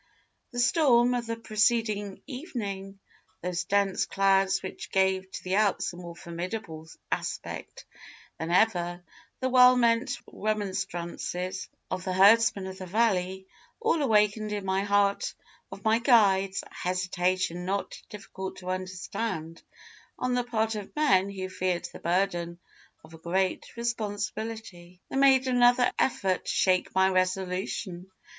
"The storm of the preceding evening, those dense clouds which gave to the Alps a more formidable aspect than ever, the well meant remonstrances of the herdsmen of the valley, all awakened in the heart of my guides a hesitation not difficult to understand on the part of men who feared the burden of a great responsibility. They made another effort to shake my resolution.